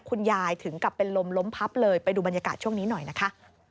ถึงกับเป็นลมล้มพับเลยไปดูบรรยากาศช่วงนี้หน่อยนะคะ